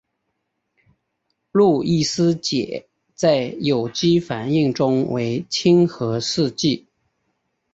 路易斯碱在有机反应中为亲核试剂。